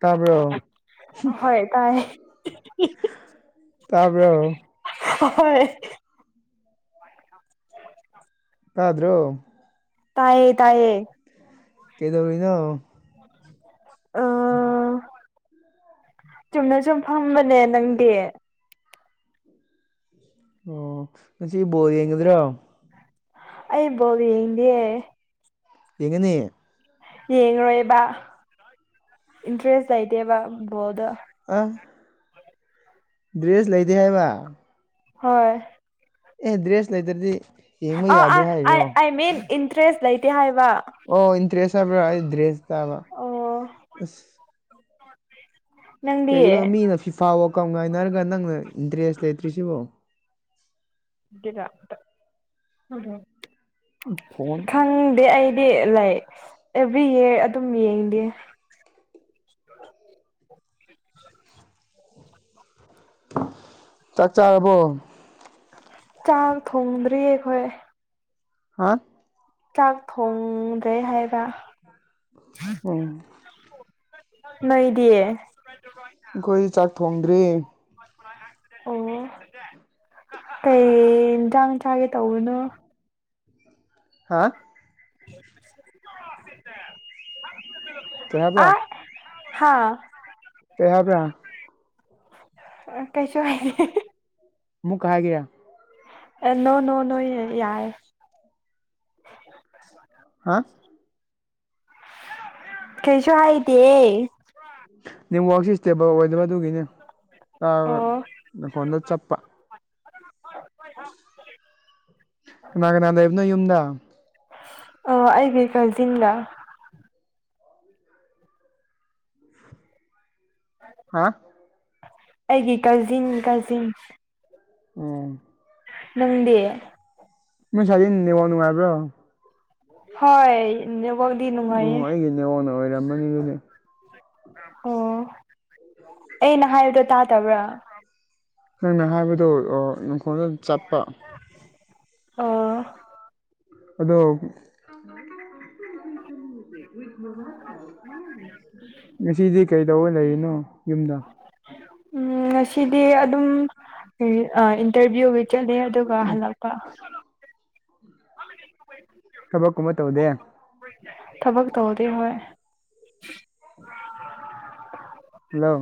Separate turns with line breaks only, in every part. ꯇꯥꯕ꯭ꯔꯣ
ꯍꯣꯏ ꯇꯥꯏ
ꯇꯥꯕ꯭ꯔꯣ
ꯍꯣꯏ
ꯇꯥꯗ꯭ꯔꯣ
ꯇꯥꯏꯌꯦ ꯇꯥꯏꯌꯦ
ꯀꯩꯗꯧꯔꯤꯅꯣ
ꯑ
[inaudible]
ꯆꯨꯝꯅ ꯁꯨꯝ ꯐꯝꯕꯅꯦ ꯅꯪꯗꯤ
ꯑꯣ ꯉꯁꯤ ꯕꯣꯜ ꯌꯦꯡꯒꯗ꯭ꯔꯣ
ꯑꯩ ꯕꯣꯜ ꯌꯦꯡꯗꯤꯌꯦ
ꯌꯦꯡꯒꯅꯤ
ꯌꯦꯡꯉ꯭ꯔꯣꯏꯕ ꯏꯟꯇꯔꯦꯁ ꯂꯩꯇꯦꯕ ꯕꯣꯜꯗꯣ
ꯑ ꯗ꯭ꯔꯦꯁ ꯂꯩꯇꯦ ꯍꯥꯏꯕ
ꯍꯣꯏ
ꯑꯦ ꯗ꯭꯭ꯔꯦꯁ ꯂꯩꯠꯔꯗꯤ
ꯑ ꯑ ꯑꯥꯏ ꯑꯥꯏ ꯃꯤꯟ ꯏꯟꯇ꯭ꯔꯦꯁ ꯂꯩꯇꯦ ꯍꯥꯏ
ꯑꯣ ꯏꯟꯇ꯭ꯔꯦꯁ ꯍꯥꯏꯕꯔ ꯑꯩ ꯗ꯭ꯔꯦꯖ ꯇꯕ
ꯑꯣ
ꯑꯁ
[inaudible] ꯅꯪꯗꯤ
ꯀꯩꯒꯤꯅꯣ ꯃꯤꯅ ꯐꯤꯐꯥ ꯋꯥꯀꯝ ꯉꯥꯏꯅꯔꯒ ꯅꯪꯅ ꯏꯟꯇ꯭ꯔꯦꯁ ꯂꯩꯇ꯭ꯔꯤꯁꯤꯕꯣ ꯐꯣꯟ
[unintelligible] ꯈꯪꯗꯦ ꯑꯩꯗꯤ ꯂꯩ ꯑꯦꯚ꯭ꯔꯤ ꯏꯌꯥꯔ ꯇꯨꯝꯃꯤꯌꯦ ꯑꯩꯗꯤ
ꯆꯥꯛ ꯆꯥꯔꯕꯣ
ꯆꯥꯛ ꯊꯣꯡꯗ꯭ꯔꯤꯌꯦ ꯑꯩꯈꯣꯏ
ꯍꯥ
ꯆꯥꯛ ꯊꯣꯡꯗ꯭ꯔꯦ ꯍꯥꯏꯕ
ꯎꯝ
ꯅꯣꯏꯗꯤꯌꯦ
ꯑꯩꯈꯣꯏ ꯆꯥꯛ ꯊꯣꯡꯗ꯭ꯔꯤ
ꯑꯣ ꯀꯩ ꯏꯟꯁꯥꯡ ꯆꯥꯒꯦ ꯇꯧꯕꯅꯣ
ꯍꯥꯥ
[inaudible]
ꯀꯩ ꯍꯥꯢꯕ꯭ꯔꯥ
ꯑ ꯍꯥꯥ
ꯀꯩ ꯍꯥꯏꯕ꯭ꯔꯥ
ꯑ ꯀꯩꯁꯨ ꯍꯥꯏꯗꯦ
ꯃꯨꯛꯀ ꯍꯥꯏꯒꯦꯔ
ꯅꯣ ꯅꯣ ꯅꯣꯏ ꯌꯥꯔꯦ
ꯍꯥ
ꯀꯩꯁꯨ ꯍꯥꯏꯗꯤꯌꯦ
ꯅꯤꯝꯋꯥꯛꯁꯤ ꯏꯁꯇꯦꯕꯜ ꯑꯣꯏꯗꯕ ꯑꯗꯨꯒꯤꯅꯦ ꯑ
ꯑꯣ
ꯅꯈꯣꯟꯗꯣ ꯆꯞꯄ ꯀꯅꯥ ꯀꯅꯥ ꯂꯩꯕꯅꯣ ꯌꯨꯝꯗ
ꯑ ꯑꯩꯒꯤ ꯀꯖꯤꯟꯒ
ꯍꯥ
ꯑꯩꯒꯤ ꯀꯥꯖꯤꯟ ꯀꯥꯖꯤꯟ
ꯎꯝ
ꯅꯪꯗꯤ
ꯅꯣꯢ ꯁꯥꯢꯗꯤ ꯅꯦꯠꯋꯥꯛ ꯅꯨꯉꯥꯢꯕ꯭ꯔꯣ
ꯍꯣꯏ ꯅꯦ
ꯑꯣ ꯑꯩꯒꯤ ꯅꯦꯠꯋꯥꯛꯅ ꯑꯣꯏꯔꯝꯃꯅꯤ ꯑꯗꯨꯗꯤ
ꯑꯣ ꯑꯩꯅ ꯍꯥꯏꯕꯗꯣ ꯇꯥꯗꯕ꯭ꯔꯥ
ꯅꯪꯅ ꯍꯥꯏꯕꯗꯣ ꯑꯣ ꯃꯈꯣꯟꯗ ꯗꯨꯝ ꯆꯞꯄ
ꯑꯣ
ꯑꯗꯣ ꯉꯁꯤꯗꯤ ꯀꯩꯗꯧꯕꯩ ꯂꯩꯔꯤꯅꯣ ꯌꯨꯝꯗ
ꯎꯝ ꯉꯁꯤꯗꯤ ꯑꯗꯨꯝ ꯑꯥ ꯏꯟꯇ꯭ꯔꯚꯤꯌꯨ ꯆꯠꯂꯦ ꯑꯗꯨꯒ ꯍꯜꯂꯛꯄ
ꯊꯕꯛꯀꯨꯝꯕ ꯇꯧꯗꯦ
ꯊꯕꯛ ꯇꯧꯗꯦ ꯍꯣꯏ
ꯍꯜꯂꯣ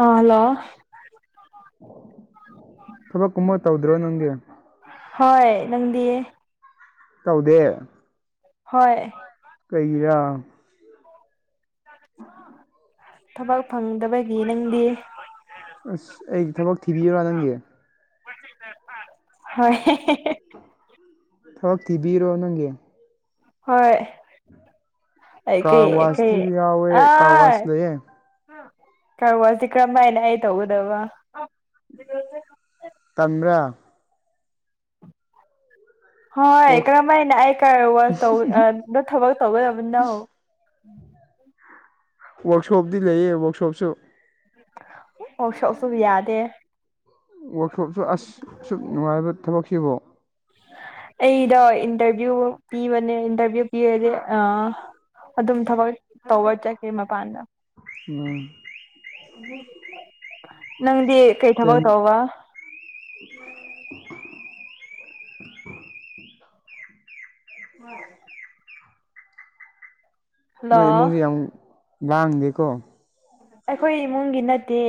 ꯑ ꯍꯜꯂꯣ
ꯊꯕꯛ ꯀꯨꯝꯕ ꯇꯧꯗ꯭ꯔꯣ ꯅꯪꯗꯤ
ꯍꯣꯏ ꯅꯪꯗꯤ
ꯇꯧꯗꯦ
ꯍꯣꯏ
ꯀꯩꯒꯤꯔꯥ
ꯊꯕꯛ ꯐꯪꯗꯕꯒꯤ ꯅꯪꯗꯤ
ꯑꯁ ꯑꯩꯒꯤ ꯊꯕꯛ ꯊꯤꯕꯤꯌꯨꯔꯥ ꯅꯪꯒꯤ
ꯍꯣꯏ ꯍꯦ ꯍꯦ ꯍꯦ
ꯊꯕꯛ ꯊꯤꯕꯤꯔꯣ ꯅꯪꯒꯤ
ꯍꯣꯏ
ꯀꯥꯔ
ꯑꯩꯀꯩ
ꯋꯥꯁꯇꯤ
ꯀꯩ ꯑ
ꯌꯥꯎꯋꯦ ꯀꯥꯔ ꯋꯥꯁ ꯂꯩꯌꯦ
ꯀ꯭ꯔꯋꯥꯁꯤ ꯀꯔꯝꯃꯥꯏꯅ ꯑꯩ ꯇꯧꯒꯗꯕ
ꯇꯟꯕ꯭ꯔꯥ
ꯍꯣꯏ
ꯋꯥꯛ
ꯀꯔꯝꯍꯥꯏꯅ ꯑꯩ ꯀ꯭ꯔꯋꯥꯔ ꯇꯧ ꯑꯥꯗ ꯊꯕꯛ ꯇꯧꯒꯗꯕꯅꯣ [inaudible]
ꯋ꯭ꯔꯛꯁꯣꯞꯗꯤ ꯂꯩꯌꯦ ꯋ꯭ꯔꯛꯁꯣꯞꯁꯨ
ꯋꯥꯛꯁꯣꯞꯁꯨ ꯌꯥꯗꯦ
ꯋꯥꯛꯁꯣꯞꯁꯨ ꯑꯁ ꯑꯁꯨꯛ ꯅꯨꯡꯉꯥꯏꯕ ꯊꯕꯛꯁꯤꯕꯣ
ꯑꯩꯗꯣ ꯏꯟꯇ꯭ꯔꯚꯤꯌꯨ ꯄꯤꯕꯅꯦ ꯏꯟꯇ꯭ꯔꯚꯤꯌꯨ ꯄꯤꯔꯗꯤ ꯑꯥ ꯑꯗꯨꯝ ꯊꯕꯛ ꯇꯧꯕ ꯆꯠꯀꯦ ꯃꯄꯥꯟꯗ
ꯎꯝ
ꯅꯪ ꯗꯤ ꯀꯩ ꯊꯕꯛ
ꯇꯦꯟ
ꯇꯧꯕ
[unintelligible]
[unintelligible]
ꯅꯣꯏ
ꯍꯜꯂꯣ
ꯏꯃꯨꯡꯁꯦ ꯌꯥꯝ ꯂꯥꯡꯗꯦꯀꯣ
ꯑꯩꯈꯣꯏ ꯏꯃꯨꯡꯒꯤ ꯅꯠꯇꯦ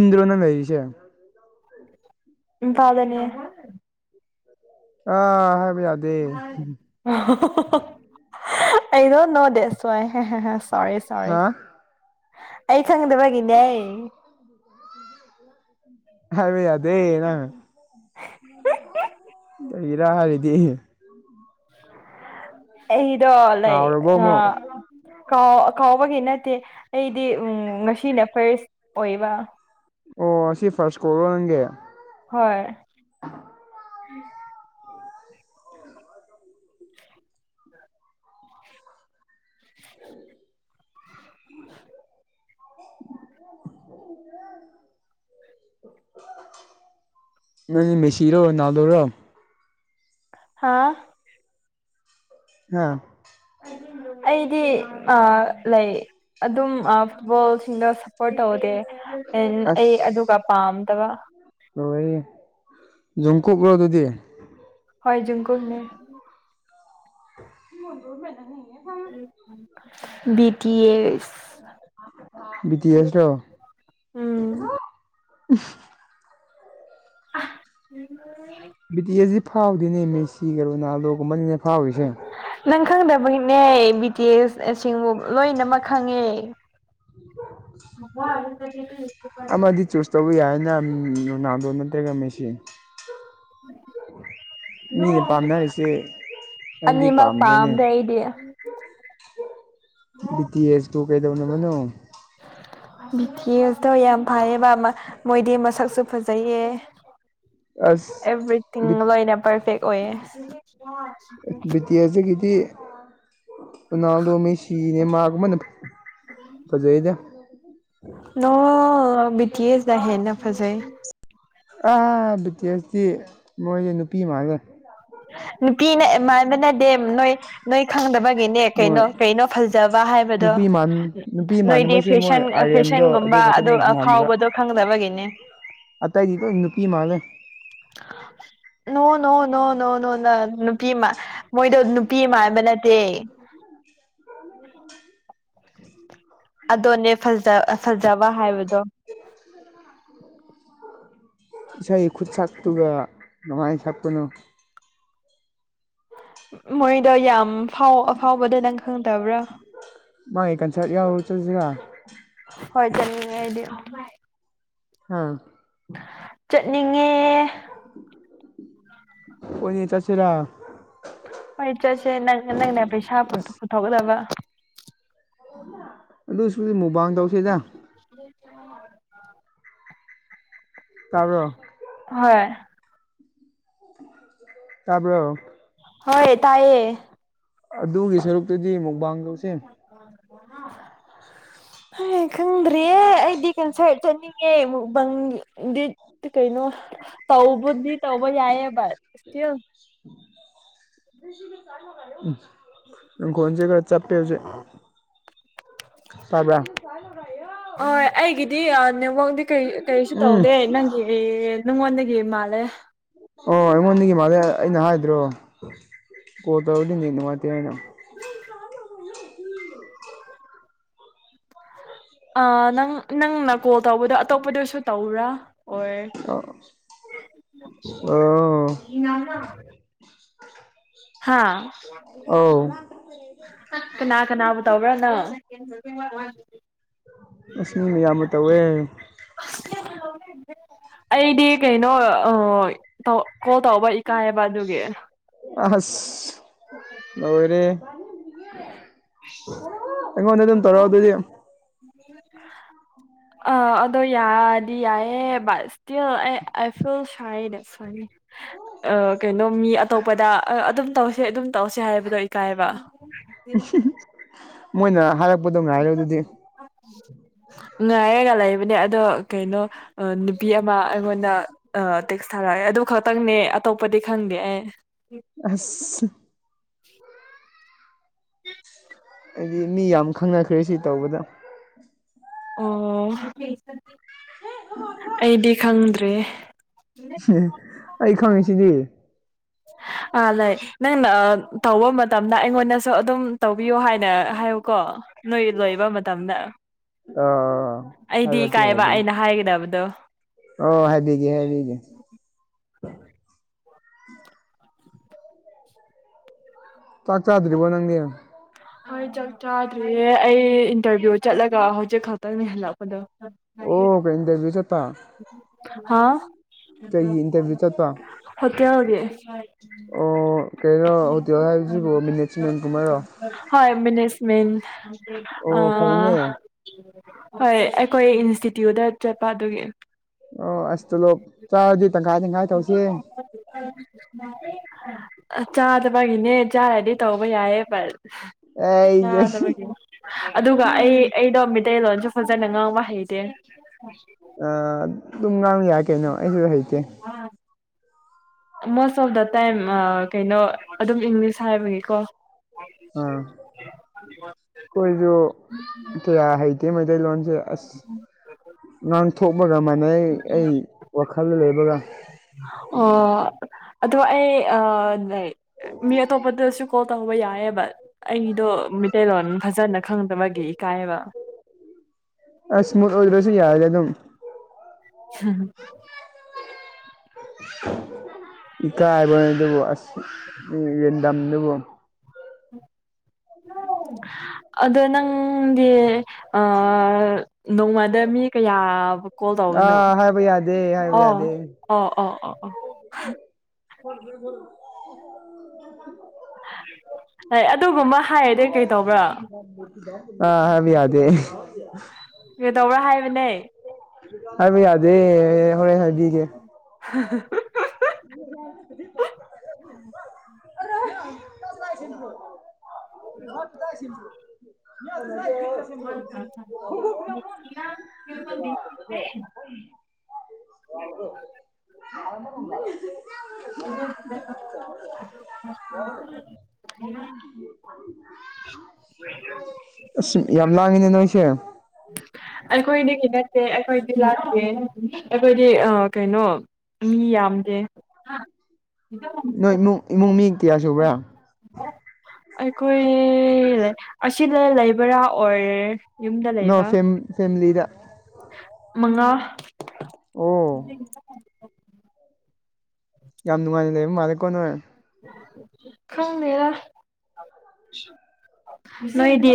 ꯗꯔꯣ ꯅꯪ ꯂꯩꯔꯤꯁꯦ
ꯢꯝꯐꯥꯜꯗꯅꯦ
ꯑꯥ ꯌꯥꯗꯦ
ꯑꯩꯩꯗꯣ ꯅꯣ ꯗꯦꯁ ꯁꯋꯥꯢ ꯁꯣꯔꯤ ꯁꯣꯔꯤ
ꯍꯥ
ꯑꯩ ꯈꯪꯗꯕꯒꯤꯅꯦ
ꯍꯥꯏꯕ ꯌꯥꯗꯦ ꯅꯪ ꯀꯔꯤꯔ ꯍꯥꯏꯔꯗꯤ
ꯑꯩꯗꯣ ꯂꯩꯥ
ꯀꯥꯎꯔꯕꯣ
ꯑ
ꯑꯃꯨꯛ
ꯀꯥꯎ ꯀꯥꯎꯕꯒꯤ ꯅꯠꯇꯦ ꯑꯩꯗꯤ ꯎꯝ ꯉꯁꯤꯅ ꯐꯔꯁ ꯑꯣꯏꯕ
ꯑꯣ ꯑꯁꯤ ꯐꯥꯔꯁ ꯀꯣꯜꯔꯣ ꯅꯪꯒꯤ
ꯍꯣꯏ [unintelligible]
[unintelligible] ꯅꯣꯏꯗꯤ ꯃꯦꯁꯤꯔꯣ ꯔꯣꯅꯥꯜꯗꯣꯔꯣ
ꯍꯥꯥ
ꯑꯥ
ꯑꯩꯗꯤ ꯑꯥ ꯂꯩ ꯑꯗꯨꯝ ꯑꯥ ꯐꯨꯠꯕꯣꯜꯁꯤꯡꯗ ꯁꯞꯄꯣꯔꯠ ꯇꯧꯗꯦ ꯑꯦ
ꯑꯁ
ꯑꯩ ꯑꯗꯨꯒ ꯄꯥꯝꯗꯕ
ꯂꯣꯢꯔꯦꯍꯦ ꯖꯨꯡꯀꯣꯛꯔꯣ ꯑꯗꯨꯗꯤ
ꯍꯣꯏ ꯖꯨꯡꯀꯨꯛꯅꯦ
[unintelligible]
ꯕꯤ ꯇꯤ ꯑꯌꯔ
ꯕꯤ ꯇꯤ ꯑꯦꯁꯔꯣ
ꯎꯝ
[unintelligible]
ꯑ
ꯕꯤ ꯇꯤ ꯌꯦꯁꯗꯤ ꯐꯥꯎꯗꯦ ꯅꯦ ꯃꯦꯁꯤꯒ ꯔꯣꯅꯥꯜꯗꯣꯒ ꯃꯅꯤꯡꯗ ꯐꯥꯎꯔꯤꯁꯦ
ꯅꯪ ꯈꯪꯗꯕꯒꯤꯅꯦ ꯕꯤ ꯇꯤ ꯑꯦꯁ ꯁꯤꯡꯕꯨ ꯂꯣꯏꯅꯃꯛ ꯈꯪꯉꯦ [unintelligible]
ꯎꯝ ꯔꯣꯅꯥꯜꯗꯣ ꯅꯠꯇꯦꯒ ꯃꯦꯁꯤ ꯃꯤꯅ ꯄꯥꯝꯅꯔꯤꯁꯦ ꯅꯪꯗꯤ
ꯑꯅꯤꯃꯛ
ꯄꯥꯝꯗꯔꯦꯅꯦ
ꯄꯥꯝꯗꯦ ꯑꯩꯗꯤ
ꯕꯤ ꯇꯤ ꯑꯦꯁ ꯇꯨ ꯀꯩꯗꯧꯅꯕꯅꯣ
ꯕꯤ ꯇꯤ ꯑꯦꯁꯇꯣ ꯌꯥꯝ ꯐꯩꯌꯦꯕ ꯃ ꯃꯣꯏꯗꯤ ꯃꯁꯛꯁꯨ ꯐꯖꯩꯌꯦ
ꯑꯁ
ꯑꯦꯚ꯭ꯔꯤꯊꯤꯡ
ꯕꯤ
ꯂꯣꯏꯅ ꯄꯔꯐꯦꯛ ꯑꯣꯏꯌꯦ
ꯕꯤꯇꯤꯑꯦꯁ ꯇꯒꯤꯗꯤ ꯔꯣꯅꯥꯜꯗꯣ ꯃꯦꯁꯤ ꯅꯦꯃꯔꯒꯨꯝꯕꯅ ꯐꯖꯩꯗ
ꯅꯣ ꯕꯤ ꯇꯤ ꯑꯦꯁ ꯅ ꯍꯦꯟꯅ ꯐꯖꯩ
ꯑꯥ ꯕꯤꯇꯤꯑꯦꯁꯇꯤ ꯃꯣꯏꯁꯦ ꯅꯨꯄꯤ ꯃꯥꯟꯂꯦ
ꯅꯨꯄꯤꯅ ꯃꯥꯟꯕ ꯅꯠꯇꯦ ꯅꯣꯏ ꯅꯣꯏ ꯈꯪꯗꯕꯒꯤ ꯒꯤꯅꯦ
ꯃꯣꯏ
ꯀꯩꯅꯣ ꯀꯩꯅꯣ ꯐꯖꯕ ꯍꯥꯏꯗꯣ
ꯅꯨꯄꯤ ꯃꯥꯟ ꯅꯨꯄꯤ
ꯅꯣꯢꯗꯤ
ꯃꯥꯟꯅꯕꯁꯦ ꯃꯣꯏ
ꯐꯦꯁꯟ ꯐꯦꯁꯟ
ꯑꯥꯔꯌꯟꯗꯣ
ꯒꯨꯝꯕ ꯑ ꯑꯗꯨ
ꯈꯛꯇꯅꯤ ꯃꯥꯟꯅꯕ
ꯐꯥꯎꯕꯗꯣ ꯈꯪꯗꯕꯒꯤꯅꯦ
ꯑꯇꯩꯗꯤ ꯂꯣꯏ ꯅꯨꯄꯤ ꯃꯥꯂꯦ
ꯅꯣ ꯅꯣ ꯅꯣ ꯅꯨꯄꯤꯃꯃꯥꯟ ꯃꯣꯏꯗꯣ ꯅꯨꯄꯤ ꯍꯥꯏꯕꯅꯠꯇꯦ
[inaudible]
ꯑꯗꯣꯅꯦ ꯐꯖ ꯐꯖꯕ ꯍꯥꯏꯕꯗꯣ
ꯏꯁꯩ ꯈꯨꯠ ꯁꯛꯇꯨꯒ ꯅꯨꯉꯥꯏꯅ ꯁꯛꯄꯅꯣ
ꯃꯣꯏꯗꯣ ꯌꯥꯝ ꯐꯥꯎ ꯑꯐꯥꯎꯕꯗꯣ ꯅꯪ ꯈꯪꯗꯕ꯭ꯔꯥ
ꯃꯣꯏ ꯀꯟꯁꯔꯠ ꯌꯥꯎꯔ ꯆꯠꯂꯁꯤꯔꯥ
ꯍꯣꯏ ꯆꯝꯅꯤꯡꯉꯦ ꯑꯩꯗꯤ
ꯍꯥ
ꯆꯠꯅꯤꯡꯉꯦ
ꯑꯣꯏꯌꯦ ꯆꯠꯁꯤꯔꯥ
ꯍꯣꯏ ꯆꯠꯁꯦ ꯅꯪ ꯅꯪꯅ ꯄꯩꯁꯥ ꯄꯨꯊꯣꯛ [unintelligible]
ꯑꯗꯨꯏꯁꯨ ꯃꯨꯛꯕꯥꯥꯡ
[unintelligible]
ꯇꯥꯕꯔꯣ
ꯍꯣꯏ
ꯇꯥꯕꯔꯣ
ꯍꯣꯏ ꯇꯥꯏꯌꯦ
ꯑꯗꯨꯒꯤ ꯁꯔꯨꯛꯇꯨꯗꯤ ꯃꯨꯛ
[inaudible]
[inaudible]
[unintelligible] ꯈꯪꯗ꯭ꯔꯦꯌꯦ ꯑꯩꯗꯤ ꯀꯟꯁ꯭ꯔꯠ ꯆꯠꯅꯤꯡꯉꯦ ꯃꯨꯛꯕꯥꯡꯗꯤ ꯀꯩꯅꯣ ꯇꯧꯕꯗꯤ ꯇꯧꯕ ꯌꯥꯏꯌꯦꯕ ꯁ꯭ꯇꯤꯜ
ꯏꯁ ꯅꯈꯣꯟꯖꯤꯗ ꯆꯞꯄꯦ ꯍꯧꯖꯤꯛ ꯇꯥꯕ꯭ꯔ
ꯍꯣꯏ ꯑꯩꯒꯤꯗꯤ ꯅꯦꯠꯋꯥꯛꯗꯤ ꯀꯩ ꯀꯔꯤꯁꯨ
ꯎꯝ
ꯇꯧꯗꯦ ꯅꯪꯒꯤ ꯅꯉꯣꯟꯗꯒꯤ ꯃꯥꯜꯂꯦ
ꯑꯣ ꯑꯩꯉꯣꯟꯗꯒꯤ ꯃꯥꯂꯦ ꯑꯩꯅ ꯍꯥꯏꯗ꯭ꯔꯣ ꯀꯣꯜ ꯇꯧꯔꯗꯤ ꯅꯦꯠ ꯅꯨꯡꯉꯥꯏꯇꯦ ꯍꯥꯏꯅ
ꯑꯥ ꯅꯪ ꯅꯪꯅ ꯀꯣꯜ ꯇꯧꯕꯗꯣ ꯑꯇꯣꯞꯄꯗꯁꯨ ꯇꯧꯕ꯭ꯔꯥ ꯑꯣꯏ
ꯑꯣ
[unintelligible] ꯍꯥ
ꯑꯧ
ꯀꯅꯥ ꯀꯅꯥꯕꯨ ꯇꯧꯕ꯭ꯔꯥꯅꯣ [inaudible]
ꯑ꯭ꯁ ꯃꯤꯌꯥꯝꯅ ꯇꯧꯋꯦ
ꯑꯩꯗꯤ ꯀꯩꯅꯣ ꯑꯥ ꯇꯧ ꯀꯣꯜ ꯇꯧꯕ ꯏꯀꯥꯏꯌꯦꯕ ꯑꯗꯨꯒꯤ
ꯑꯁ ꯂꯣꯏꯔꯦ ꯑꯩꯉꯣꯟꯗ ꯑꯗꯨꯝ ꯇꯔꯣ ꯑꯗꯨꯗꯤ
ꯑꯥ ꯑꯗꯣ ꯌꯥꯔꯗꯤ ꯌꯥꯏꯌꯦ [unintelligible] ꯑ ꯀꯩꯅꯣ ꯃꯤ ꯑꯇꯣꯞꯄꯗ ꯑꯥ ꯑꯗꯨꯝ ꯇꯧꯁꯦ ꯑꯗꯨꯝ ꯇꯧꯁꯦ ꯍꯥꯏꯕꯗꯣ ꯏꯀꯥꯏꯕ
[inaudible] ꯃꯣꯏꯅ ꯍꯥꯏꯔꯛꯄꯗꯣ ꯉꯥꯏꯔꯣ ꯑꯗꯨꯗꯤ [inaudible]
ꯉꯥꯏꯔꯒ ꯂꯩꯕꯅꯦ ꯑꯗꯣ ꯀꯩꯅꯣ ꯅꯨꯄꯤ ꯑꯃ ꯑꯩꯉꯣꯟꯗ ꯑꯥ ꯇꯦꯛꯁ ꯊꯥꯔꯛꯑꯒ ꯑꯗꯨ ꯈꯇꯪꯅꯦ ꯑꯇꯣꯞꯄꯗꯤ ꯈꯪꯗꯦ ꯑꯩ
ꯑꯁ
[inaudible]
ꯑꯩꯗꯤ ꯃꯤ ꯌꯥꯝ ꯈꯪꯅꯈ꯭ꯔꯦ ꯁꯤ ꯇꯧꯕꯗ
ꯑꯣ ꯑꯩꯗꯤ ꯈꯪꯗ꯭ꯔꯤꯌꯦ
ꯑꯩ ꯈꯪꯉꯤꯁꯤꯗꯤ
ꯑꯥ ꯂꯩ ꯅꯪꯅ ꯇꯧꯕ ꯃꯇꯝꯗ ꯑꯩꯉꯣꯟꯗꯁꯨ ꯑꯗꯨꯝ ꯇꯧꯕꯤꯌꯣ ꯍꯥꯏꯅ ꯍꯥꯏꯌꯨꯀꯣ ꯅꯣꯏ ꯂꯣꯏꯕ ꯃꯇꯝꯗ
ꯑꯥ
ꯑꯩꯗꯤ
ꯈ꯭ꯔꯗꯤ
ꯏꯀꯥꯏꯕ
ꯍꯥꯏꯕꯤ
ꯑꯩꯅ ꯍꯥꯏꯒꯗꯕꯗꯣ
ꯑꯣ ꯍꯥꯏꯕꯤꯒꯦ ꯍꯥꯏꯕꯤꯒꯦ ꯆꯥꯛ ꯆꯥꯗ꯭ꯔꯤꯕꯣ ꯅꯪꯗꯤ
ꯍꯣꯏ ꯆꯥꯛ ꯆꯥꯗ꯭ꯔꯤꯌꯦ ꯑꯩ ꯏꯟꯇ꯭ꯔꯚ꯭ꯌꯨ ꯆꯠꯂꯒ ꯍꯧꯖꯤꯛ ꯈꯛꯇꯅꯤ ꯍꯜꯂꯛꯄꯗꯣ
ꯑꯣ ꯀꯩ ꯏꯟꯇ꯭ꯔꯚ꯭ꯌꯨ ꯆꯠꯄ
ꯍꯥꯥ
ꯀꯩꯒꯤ ꯏꯟꯇ꯭ꯔꯚ꯭ꯌꯨ ꯆꯠꯄ
ꯍꯣꯇꯦꯜꯒꯤ
ꯑꯣ ꯀꯩꯅꯣ ꯍꯣꯇꯦꯜ ꯍꯥꯏꯕꯁꯤꯕꯨ ꯃꯦꯅꯦꯖꯃꯦꯟꯒꯨꯝꯕꯔꯣ
ꯍꯣꯏ ꯃꯤꯅꯤꯁ [unintelligible]
ꯑꯣ ꯐꯩꯅꯦ
ꯍꯣꯏ ꯑꯩꯈꯣꯏ ꯏꯟꯁꯇꯤꯇ꯭ꯌꯨꯠꯇ ꯆꯠꯄ ꯑꯗꯨꯒꯤ
ꯑꯣ ꯑ꯭ꯁ ꯇꯣꯂꯣꯞ ꯆꯥꯔꯗꯤ ꯇꯪꯈꯥꯏ ꯇꯪꯈꯥꯏ ꯇꯧꯁꯦ
[inaudible] ꯑ ꯆꯥꯗꯕꯒꯤꯅꯦ ꯆꯥꯔꯗꯤ ꯇꯧꯕ ꯌꯥꯏꯌꯦ ꯕꯠ
ꯑꯩꯁꯦ
ꯌꯥꯗꯕꯒꯤꯅꯤ ꯑꯗꯨꯒ ꯑꯩ ꯑꯩꯗꯣ ꯃꯤꯠ ꯇꯩꯂꯣꯟꯁꯨ ꯐꯖꯟꯅ ꯉꯥꯡꯕ ꯍꯩꯇꯦ
ꯑꯥ ꯑꯗꯨꯝ ꯉꯥꯡꯌꯥꯏ ꯀꯩꯅꯣ ꯑꯩꯁꯨ ꯍꯩꯇꯦ
ꯃꯣꯁ ꯑꯣꯐ ꯗꯥ ꯇꯥꯏꯝ ꯑꯥ ꯀꯩꯅꯣ ꯑꯗꯨꯝ ꯏꯪꯂꯤꯁ ꯍꯥꯏꯕꯒꯤꯀꯣ
ꯑ ꯈꯣꯏꯁꯨ ꯀꯌꯥ ꯍꯥꯏꯇꯩ ꯃꯩꯇꯩꯂꯣꯟ ꯁꯦ ꯑꯁ ꯉꯥꯡ ꯋꯥꯈꯜꯗ ꯂꯩꯕꯒ
ꯑꯣ ꯑꯗꯣ ꯑꯩ ꯑꯥ ꯂꯥꯏꯀ ꯃꯤ ꯑꯇꯣꯞꯄꯗꯁꯨ ꯀꯣꯜ ꯇꯧꯕ ꯌꯥꯏꯌꯦꯕ ꯑꯩꯗꯣ ꯃꯤꯇꯩꯂꯣꯟ ꯐꯖꯟꯅ ꯈꯪꯗꯕꯒꯤ ꯀꯥꯏꯕ
ꯑꯁ [unintelligible] ꯌꯥꯏꯗ ꯑꯗꯨꯝ
[unintelligible]
ꯏꯀꯥꯏꯕꯥꯅꯦ ꯑꯗꯨꯕꯣ ꯑꯁ ꯔꯦꯟꯗꯝꯗꯨꯕꯨ
[inaudible]
[inaudible]
ꯑꯗꯣ ꯅꯪꯗꯤ ꯑꯥ ꯅꯣꯡꯃꯗ ꯃꯤ ꯀꯌꯥꯕꯨ ꯀꯣꯜ ꯇꯧꯕꯅꯣ
ꯑꯥ ꯍꯥꯏꯕ ꯌꯥꯗꯦ ꯍꯥꯏꯕ
ꯑꯣ
ꯌꯥꯗꯦ
ꯑꯣꯥ ꯑꯣꯥ ꯑꯣꯥ ꯑꯣꯥ ꯍ
[inaudible]
ꯍꯣꯏ ꯑꯗꯨꯒꯨꯝꯕ ꯍꯥꯏꯔꯗꯤ ꯀꯩ
ꯑꯥ ꯍꯥꯏꯕ ꯌꯥꯗꯦ
ꯀ꯭ꯔꯤꯇꯧꯕꯔꯥ ꯍꯥꯏꯕꯅꯦ
ꯍꯥꯏꯕ ꯌꯥꯗꯦ ꯍꯣꯔꯦꯟ ꯍꯥꯏꯕꯤꯒꯦ
[unintelligible]
[inaudible] [inaudible] [inaudible] [inaudible]
[inaudible] [inaudible]
ꯑꯁ ꯌꯥꯝ ꯂꯥꯡꯏꯅꯦ ꯅꯣꯏꯁꯦ
ꯑꯩꯈꯣꯏꯗꯒꯤ ꯅꯠꯇꯦ ꯑꯩꯈꯣꯏꯗꯤ ꯂꯥꯡꯗꯦ ꯑꯩꯈꯣꯏꯗꯤ ꯑ ꯀꯩꯅꯣ ꯃꯤ ꯌꯥꯝꯗꯦ
ꯅꯣꯏ ꯅꯨ ꯏꯃꯨꯡ ꯃꯤ ꯀꯤꯌꯥ ꯁꯨꯕ꯭ꯔꯥ
ꯑꯩꯈꯣꯏ ꯂꯦ ꯑꯁꯤꯗ ꯂꯩꯕ꯭ꯔꯥ ꯑꯣꯔ
ꯅꯣ ꯐꯦꯝ ꯐꯦꯃꯤꯂꯤꯗ
ꯃꯉꯥ
ꯑꯣ ꯌꯥꯝ ꯅꯨꯡꯉꯥꯏꯅ ꯂꯩꯕ ꯃꯥꯜꯂꯦꯀꯣ ꯅꯣꯢ
ꯈꯪꯗꯦꯗ ꯅꯣꯏ ꯗꯤ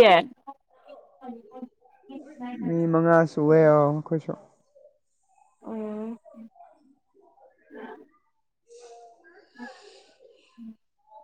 ꯃꯤ ꯃꯉꯥ ꯁꯨꯋꯦ ꯑꯈꯣꯢꯁꯨ
ꯎꯝ [unintelligible]